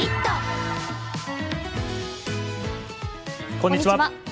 こんにちは。